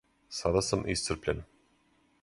Сада сам исцрпљен.